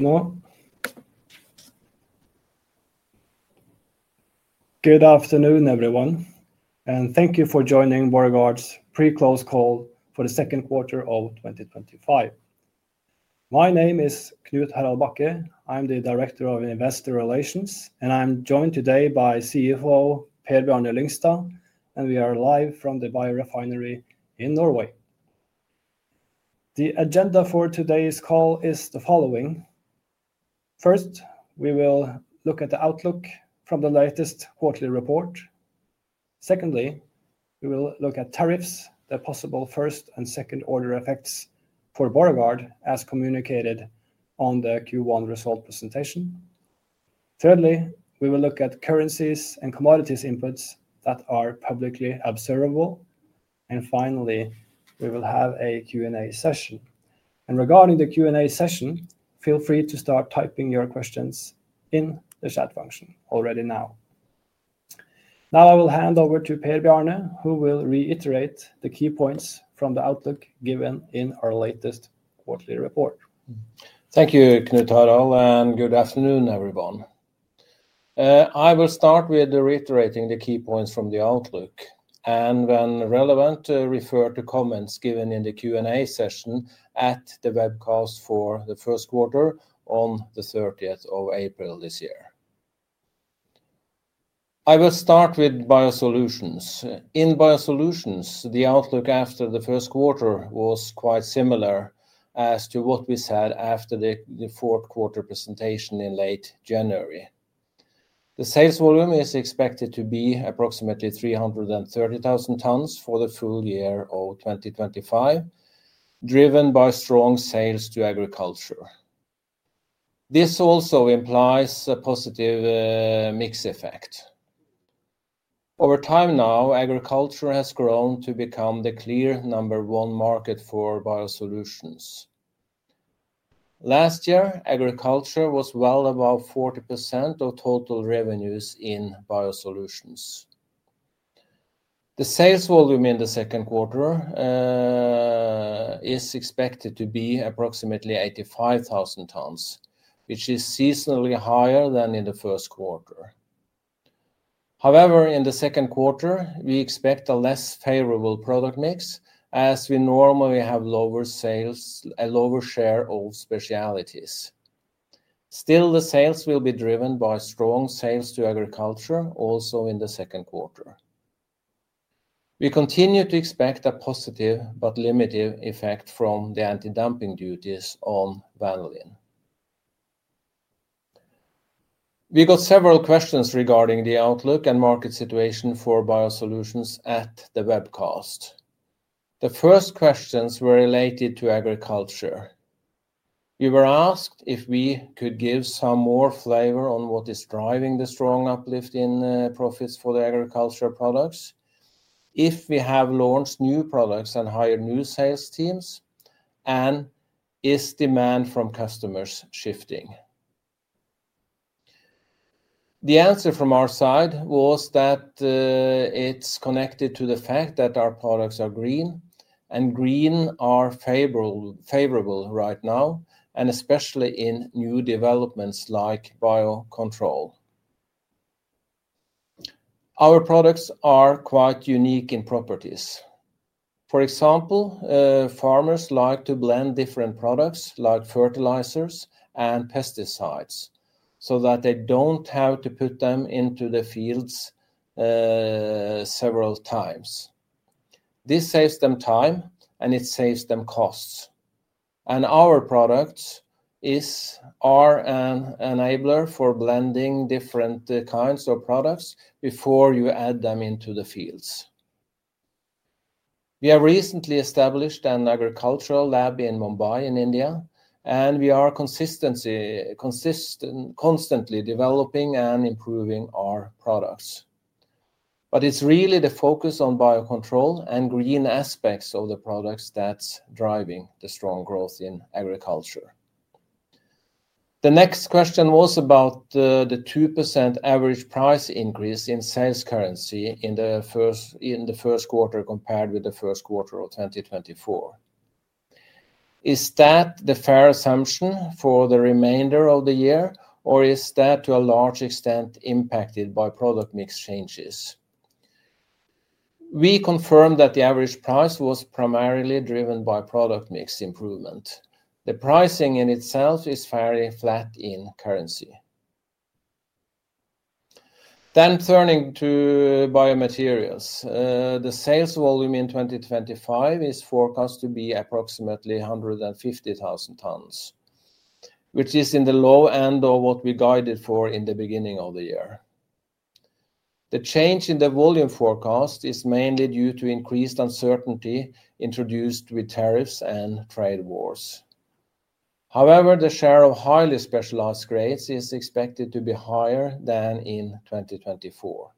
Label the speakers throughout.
Speaker 1: Good afternoon, everyone, and thank you for joining Borregaard's pre-close call for the second quarter of 2025. My name is Knut-Harald Bakke. I'm the Director of Investor Relations, and I'm joined today by CFO Per Bjarne Lyngstad, and we are live from the biorefinery in Norway. The agenda for today's call is the following. First, we will look at the outlook from the latest quarterly report. Secondly, we will look at tariffs, the possible first and second order effects for Borregaard, as communicated on the Q1 result presentation. Thirdly, we will look at currencies and commodities inputs that are publicly observable. Finally, we will have a Q&A session. Regarding the Q&A session, feel free to start typing your questions in the chat function already now. Now I will hand over to Per Bjarne, who will reiterate the key points from the outlook given in our latest quarterly report.
Speaker 2: Thank you, Knut-Harald, and good afternoon, everyone. I will start with reiterating the key points from the outlook, and when relevant, refer to comments given in the Q&A session at the webcast for the first quarter on the 30th of April this year. I will start with BioSolutions. In BioSolutions, the outlook after the first quarter was quite similar as to what we said after the fourth quarter presentation in late January. The sales volume is expected to be approximately 330,000 tons for the full year of 2025, driven by strong sales to agriculture. This also implies a positive mix effect. Over time now, agriculture has grown to become the clear number one market for BioSolutions. Last year, agriculture was well above 40% of total revenues in BioSolutions. The sales volume in the second quarter is expected to be approximately 85,000 tons, which is seasonally higher than in the first quarter. However, in the second quarter, we expect a less favorable product mix, as we normally have lower sales, a lower share of specialties. Still, the sales will be driven by strong sales to agriculture also in the second quarter. We continue to expect a positive but limited effect from the anti-dumping duties on vanillin. We got several questions regarding the outlook and market situation for BioSolutions at the webcast. The first questions were related to agriculture. We were asked if we could give some more flavor on what is driving the strong uplift in profits for the agriculture products, if we have launched new products and hired new sales teams, and is demand from customers shifting. The answer from our side was that it's connected to the fact that our products are green, and green are favorable right now, especially in new developments like biocontrol. Our products are quite unique in properties. For example, farmers like to blend different products like fertilizers and pesticides so that they don't have to put them into the fields several times. This saves them time, and it saves them costs. Our product is an enabler for blending different kinds of products before you add them into the fields. We have recently established an agricultural lab in Mumbai in India, and we are consistently developing and improving our products. It's really the focus on biocontrol and green aspects of the products that's driving the strong growth in agriculture. The next question was about the 2% average price increase in sales currency in the first quarter compared with the first quarter of 2024. Is that the fair assumption for the remainder of the year, or is that to a large extent impacted by product mix changes? We confirmed that the average price was primarily driven by product mix improvement. The pricing in itself is fairly flat in currency. Turning to BioMaterials, the sales volume in 2025 is forecast to be approximately 150,000 tons, which is in the low end of what we guided for in the beginning of the year. The change in the volume forecast is mainly due to increased uncertainty introduced with tariffs and trade wars. However, the share of highly specialized grades is expected to be higher than in 2024.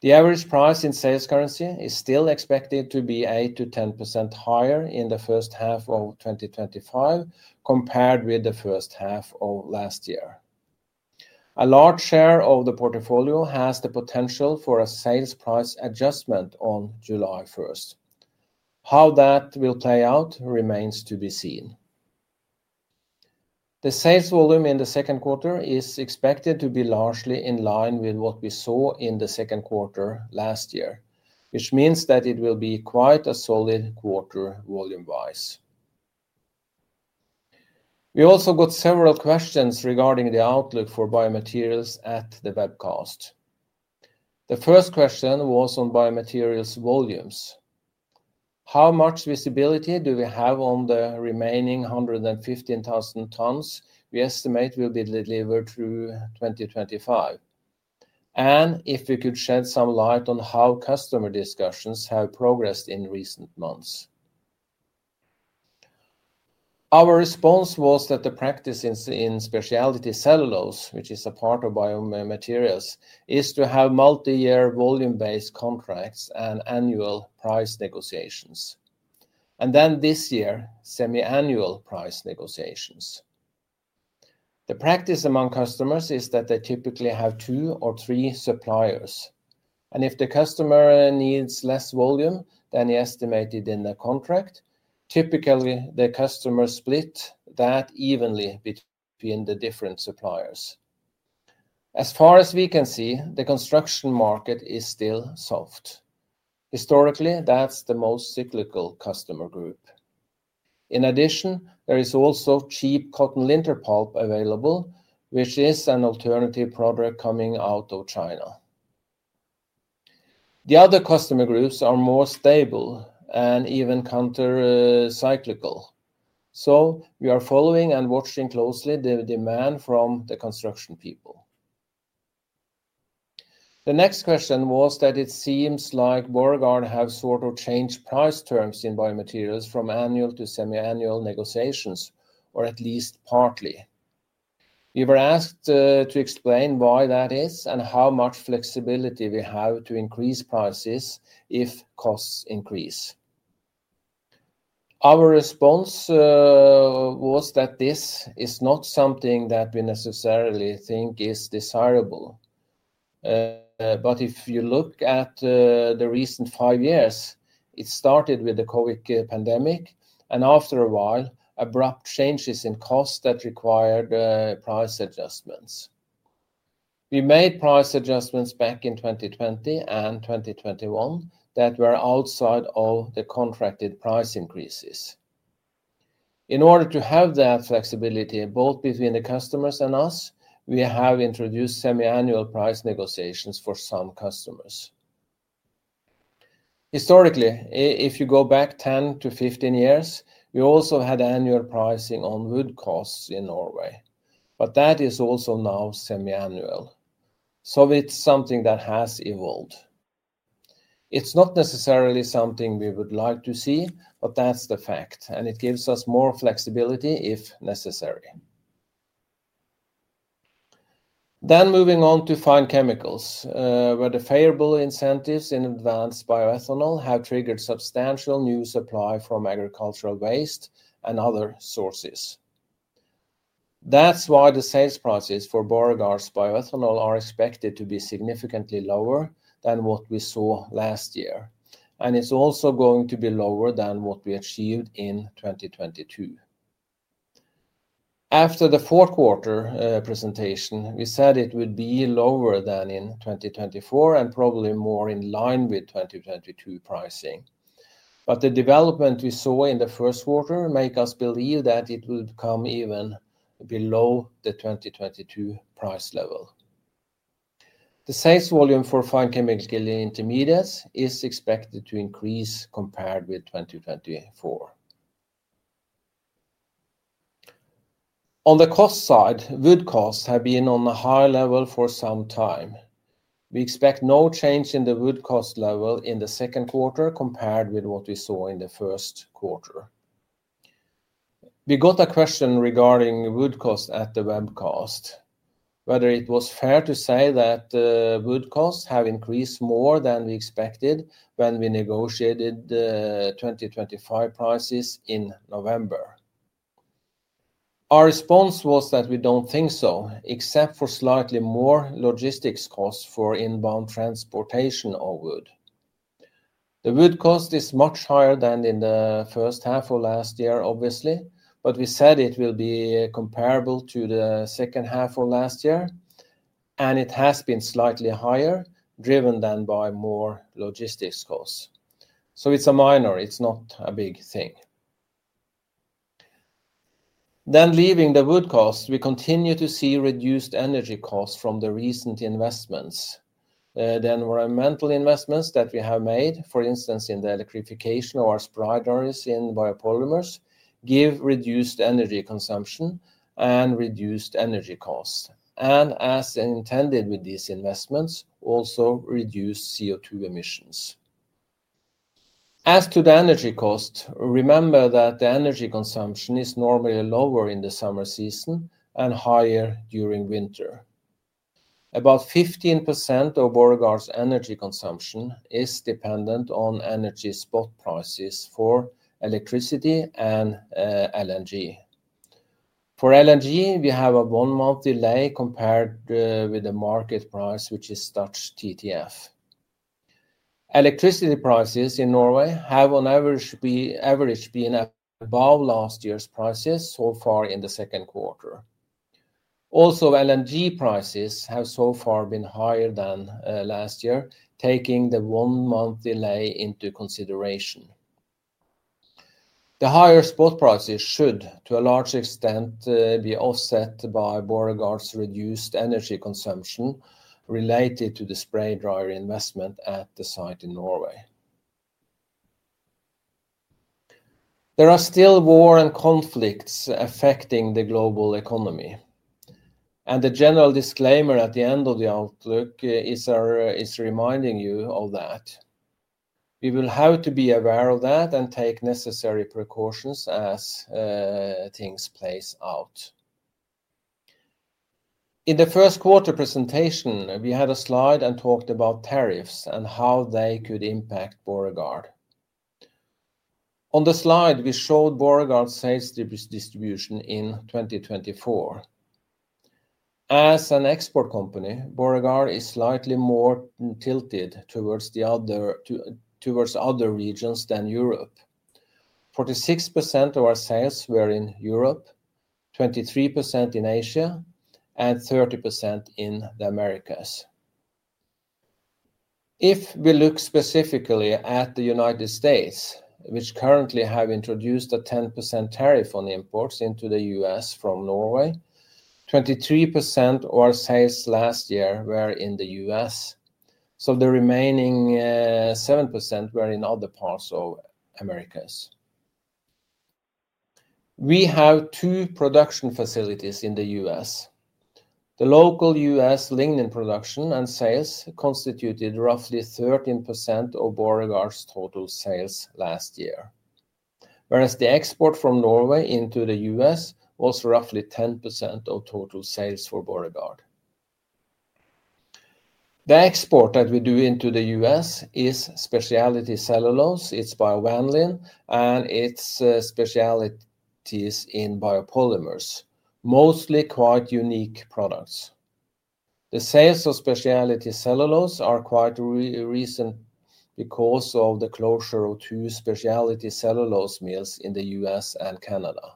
Speaker 2: The average price in sales currency is still expected to be 8%-10% higher in the first half of 2025 compared with the first half of last year. A large share of the portfolio has the potential for a sales price adjustment on July 1st. How that will play out remains to be seen. The sales volume in the second quarter is expected to be largely in line with what we saw in the second quarter last year, which means that it will be quite a solid quarter volume-wise. We also got several questions regarding the outlook for BioMaterials at the webcast. The first question was on BioMaterials volumes. How much visibility do we have on the remaining 115,000 tons we estimate will be delivered through 2025? And if we could shed some light on how customer discussions have progressed in recent months. Our response was that the practice in speciality cellulose, which is a part of BioMaterials, is to have multi-year volume-based contracts and annual price negotiations. This year, semi-annual price negotiations. The practice among customers is that they typically have two or three suppliers. If the customer needs less volume than estimated in the contract, typically the customers split that evenly between the different suppliers. As far as we can see, the construction market is still soft. Historically, that is the most cyclical customer group. In addition, there is also cheap cotton linter pulp available, which is an alternative product coming out of China. The other customer groups are more stable and even counter-cyclical. We are following and watching closely the demand from the construction people. The next question was that it seems like Borregaard have sort of changed price terms in BioMaterials from annual to semi-annual negotiations, or at least partly. We were asked to explain why that is and how much flexibility we have to increase prices if costs increase. Our response was that this is not something that we necessarily think is desirable. If you look at the recent five years, it started with the COVID pandemic, and after a while, abrupt changes in costs that required price adjustments. We made price adjustments back in 2020 and 2021 that were outside of the contracted price increases. In order to have that flexibility both between the customers and us, we have introduced semi-annual price negotiations for some customers. Historically, if you go back 10-15 years, we also had annual pricing on wood costs in Norway. That is also now semi-annual. It's something that has evolved. It's not necessarily something we would like to see, but that's the fact, and it gives us more flexibility if necessary. Moving on to Fine Chemicals, where the favorable incentives in advanced bioethanol have triggered substantial new supply from agricultural waste and other sources. That's why the sales prices for Borregaard's bioethanol are expected to be significantly lower than what we saw last year. It's also going to be lower than what we achieved in 2022. After the fourth quarter presentation, we said it would be lower than in 2024 and probably more in line with 2022 pricing. The development we saw in the first quarter makes us believe that it will come even below the 2022 price level. The sales volume for fine chemical intermediates is expected to increase compared with 2024. On the cost side, wood costs have been on a high level for some time. We expect no change in the wood cost level in the second quarter compared with what we saw in the first quarter. We got a question regarding wood costs at the webcast, whether it was fair to say that wood costs have increased more than we expected when we negotiated 2025 prices in November. Our response was that we do not think so, except for slightly more logistics costs for inbound transportation of wood. The wood cost is much higher than in the first half of last year, obviously, but we said it will be comparable to the second half of last year, and it has been slightly higher, driven then by more logistics costs. It is a minor, it is not a big thing. Leaving the wood costs, we continue to see reduced energy costs from the recent investments. The environmental investments that we have made, for instance, in the electrification of our spreaders in biopolymers, give reduced energy consumption and reduced energy costs. As intended with these investments, also reduced CO2 emissions. As to the energy cost, remember that the energy consumption is normally lower in the summer season and higher during winter. About 15% of Borregaard's energy consumption is dependent on energy spot prices for electricity and LNG. For LNG, we have a one-month delay compared with the market price, which is TTF. Electricity prices in Norway have on average been above last year's prices so far in the second quarter. Also, LNG prices have so far been higher than last year, taking the one-month delay into consideration. The higher spot prices should, to a large extent, be offset by Borregaard's reduced energy consumption related to the spray dryer investment at the site in Norway. There are still war and conflicts affecting the global economy. The general disclaimer at the end of the outlook is reminding you of that. We will have to be aware of that and take necessary precautions as things play out. In the first quarter presentation, we had a slide and talked about tariffs and how they could impact Borregaard. On the slide, we showed Borregaard's sales distribution in 2024. As an export company, Borregaard is slightly more tilted towards other regions than Europe. 46% of our sales were in Europe, 23% in Asia, and 30% in the Americas. If we look specifically at the United States, which currently have introduced a 10% tariff on imports into the US from Norway, 23% of our sales last year were in the U.S.. The remaining 7% were in other parts of the Americas. We have two production facilities in the U.S.. The local U.S. lignin production and sales constituted roughly 13% of Borregaard's total sales last year. Whereas the export from Norway into the U.S. was roughly 10% of total sa.les for Borregaard. The export that we do into the U.S. is speciality cellulose. It's bio-vanillin, and it's specialties in biopolymers, mostly quite unique products. The sales of speciality cellulose are quite recent because of the closure of two speciality cellulose mills in the U.S. and Canada.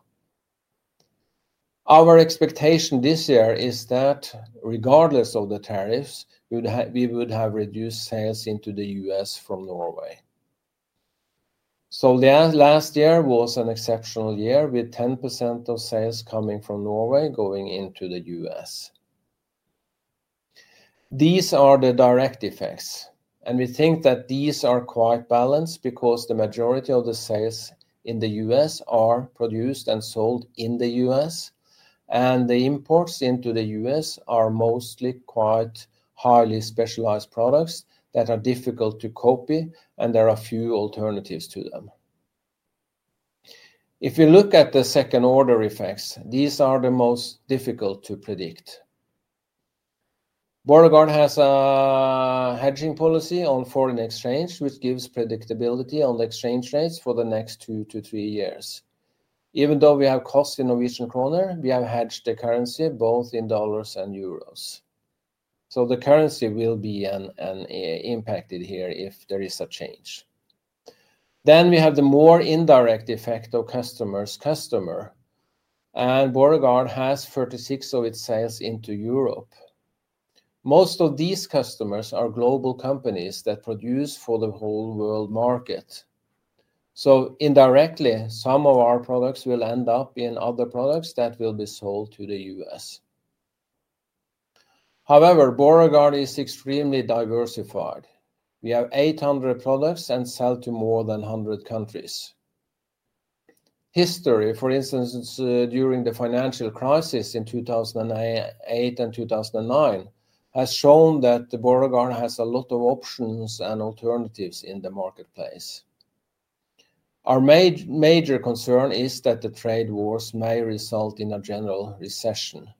Speaker 2: Our expectation this year is that regardless of the tariffs, we would have reduced sales into the U.S. from Norway. Last year was an exceptional year with 10% of sales coming from Norway going into the U.S.. These are the direct effects. We think that these are quite balanced because the majority of the sales in the U.S. are produced and sold in the U.S.. The imports into the U.S. are mostly quite highly specialized products that are difficult to copy, and there are few alternatives to them. If we look at the second order effects, these are the most difficult to predict. Borregaard has a hedging policy on foreign exchange, which gives predictability on the exchange rates for the next two to three years. Even though we have costs in Norwegian kroner, we have hedged the currency both in dollars and euros. The currency will be impacted here if there is a change. We have the more indirect effect of customer's customer. Borregaard has 36% of its sales into Europe. Most of these customers are global companies that produce for the whole world market. Indirectly, some of our products will end up in other products that will be sold to the U.S.. However, Borregaard is extremely diversified. We have 800 products and sell to more than 100 countries. History, for instance, during the financial crisis in 2008 and 2009, has shown that Borregaard has a lot of options and alternatives in the marketplace. Our major concern is that the trade wars may result in a general recession.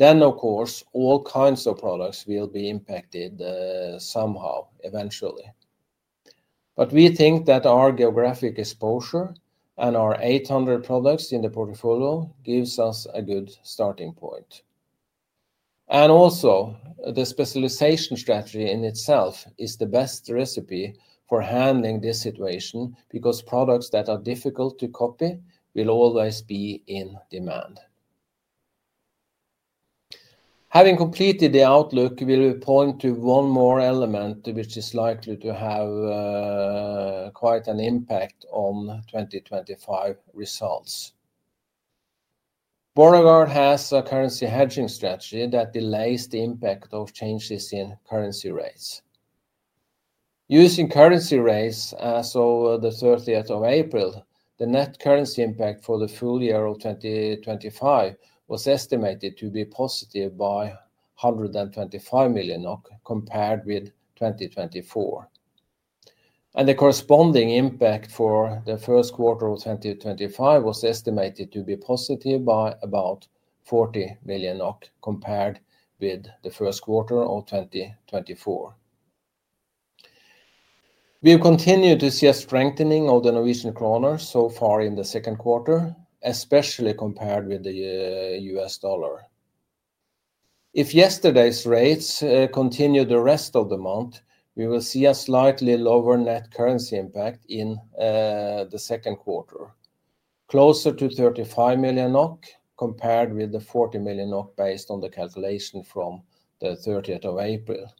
Speaker 2: Of course, all kinds of products will be impacted somehow eventually. We think that our geographic exposure and our 800 products in the portfolio gives us a good starting point. The specialization strategy in itself is the best recipe for handling this situation because products that are difficult to copy will always be in demand. Having completed the outlook, we will point to one more element which is likely to have quite an impact on 2025 results. Borregaard has a currency hedging strategy that delays the impact of changes in currency rates. Using currency rates as of the 30th of April, the net currency impact for the full year of 2025 was estimated to be positive by 125 million NOK compared with 2024. The corresponding impact for the first quarter of 2025 was estimated to be positive by about 40 million NOK compared with the first quarter of 2024. We continue to see a strengthening of the Norwegian kroner so far in the second quarter, especially compared with the US dollar. If yesterday's rates continue the rest of the month, we will see a slightly lower net currency impact in the second quarter, closer to 35 million NOK compared with the 40 million NOK based on the calculation from the 30th of April.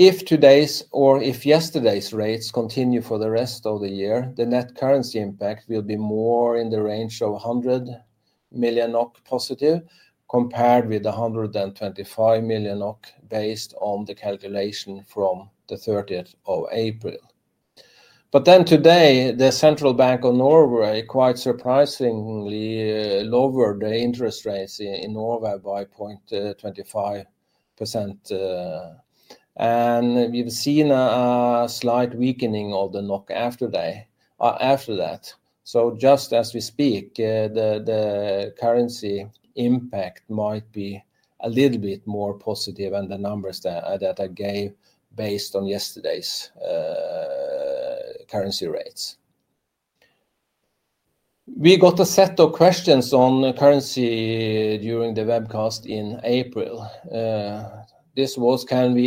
Speaker 2: If today's or if yesterday's rates continue for the rest of the year, the net currency impact will be more in the range of 100 million NOK positive compared with the 125 million NOK based on the calculation from the 30th of April. Today, the Central Bank of Norway quite surprisingly lowered the interest rates in Norway by 0.25%. We have seen a slight weakening of the NOK after that. Just as we speak, the currency impact might be a little bit more positive than the numbers that I gave based on yesterday's currency rates. We got a set of questions on currency during the webcast in April. This was, can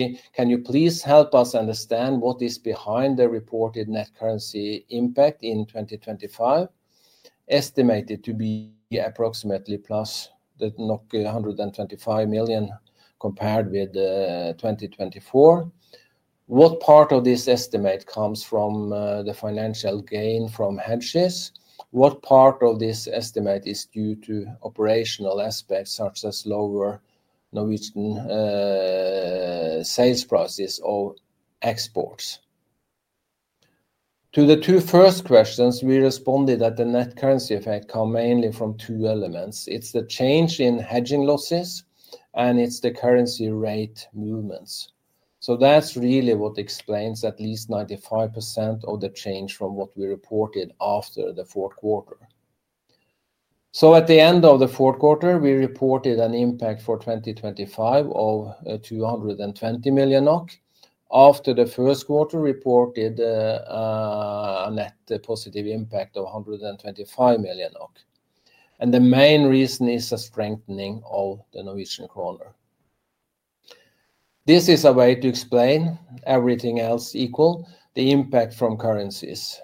Speaker 2: you please help us understand what is behind the reported net currency impact in 2025, estimated to be approximately plus 125 million compared with 2024? What part of this estimate comes from the financial gain from hedges? What part of this estimate is due to operational aspects such as lower Norwegian sales prices of exports? To the two first questions, we responded that the net currency effect comes mainly from two elements. It is the change in hedging losses, and it is the currency rate movements. That is really what explains at least 95% of the change from what we reported after the fourth quarter. At the end of the fourth quarter, we reported an impact for 2025 of 220 million NOK. After the first quarter, we reported a net positive impact of 125 million. The main reason is a strengthening of the Norwegian kroner. This is a way to explain everything else equal, the impact from currencies.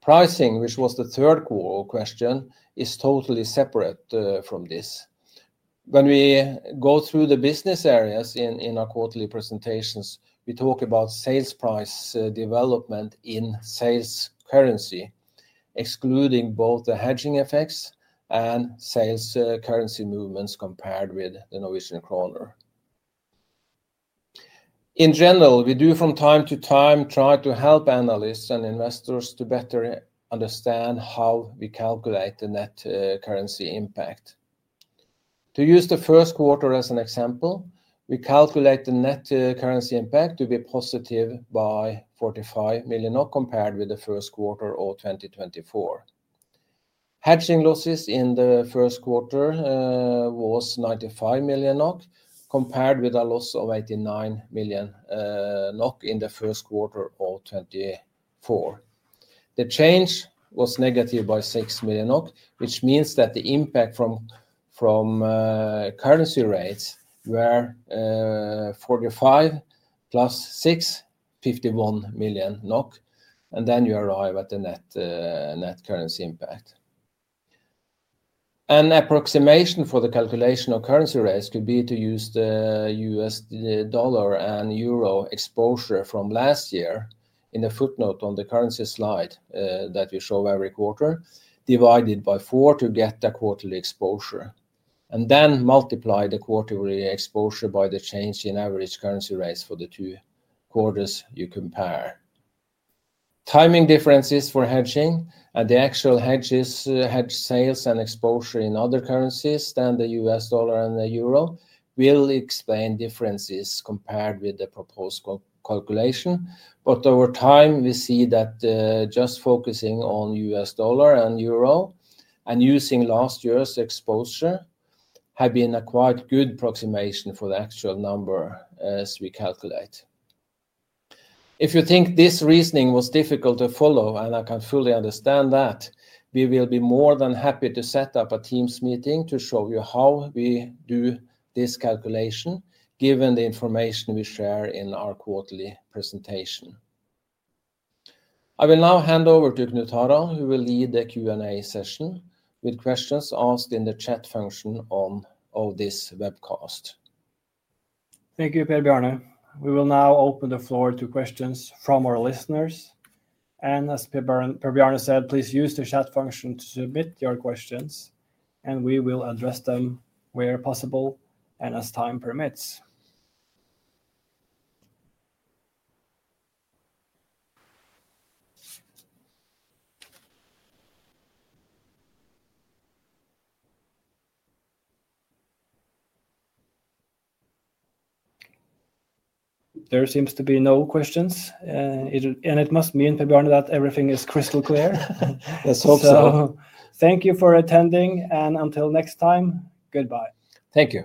Speaker 2: Pricing, which was the third question, is totally separate from this. When we go through the business areas in our quarterly presentations, we talk about sales price development in sales currency, excluding both the hedging effects and sales currency movements compared with the Norwegian kroner. In general, we do from time to time try to help analysts and investors to better understand how we calculate the net currency impact. To use the first quarter as an example, we calculate the net currency impact to be positive by 45 million compared with the first quarter of 2024. Hedging losses in the first quarter was 95 million NOK compared with a loss of 89 million NOK in the first quarter of 2024. The change was negative by 6 million, which means that the impact from currency rates were 45 million plus 6 million, 51 million NOK. You arrive at the net currency impact. An approximation for the calculation of currency rates could be to use the US dollar and euro exposure from last year in the footnote on the currency slide that we show every quarter, divided by four to get the quarterly exposure. Multiply the quarterly exposure by the change in average currency rates for the two quarters you compare. Timing differences for hedging and the actual hedges hedge sales and exposure in other currencies than the US dollar and the euro will explain differences compared with the proposed calculation. Over time, we see that just focusing on US dollar and euro and using last year's exposure have been a quite good approximation for the actual number as we calculate. If you think this reasoning was difficult to follow, and I can fully understand that, we will be more than happy to set up a Teams meeting to show you how we do this calculation given the information we share in our quarterly presentation. I will now hand over to Knut-Harald, who will lead the Q&A session with questions asked in the chat function of this webcast.
Speaker 1: Thank you, Per Bjarne. We will now open the floor to questions from our listeners. As Per Bjarne said, please use the chat function to submit your questions, and we will address them where possible and as time permits. There seems to be no questions. It must mean, Per Bjarne, that everything is crystal clear.
Speaker 2: Let's hope so.
Speaker 1: Thank you for attending, and until next time, goodbye.
Speaker 2: Thank you.